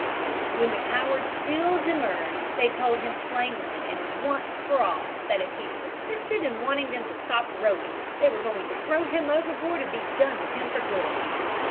When the coward still demurred, they told him plainly and once for all that if he persisted in wanting them to stop rowing, they were going to throw him overboard and be done with him for good.